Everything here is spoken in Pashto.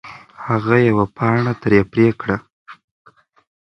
هغه یوه پاڼه ترې پرې کړه.